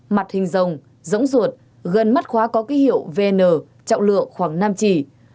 mặt hình rồng rỗng ruột gần mắt khóa có ký hiệu vn trọng lượng khoảng năm chỉ